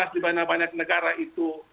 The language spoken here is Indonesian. di mana banyak negara itu